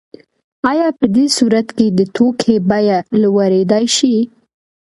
آیا په دې صورت کې د توکي بیه لوړیدای شي؟